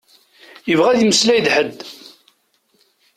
Yebɣa ad yemmeslay d ḥed.